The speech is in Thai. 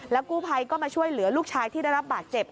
กู้ภัยก็มาช่วยเหลือลูกชายที่ได้รับบาดเจ็บ